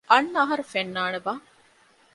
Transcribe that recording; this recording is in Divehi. އަންނަ އަހަރު ފެންނާނެބާ؟